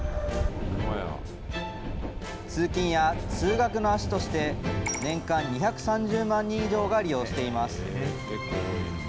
通勤や通学の足として、年間２３０万人以上が利用しています。